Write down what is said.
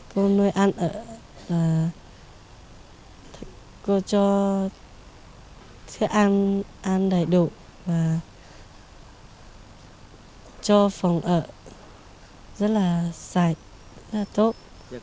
cô nuôi ăn ở cô cho thức ăn đầy đủ cho phòng ở rất là sạch rất là tốt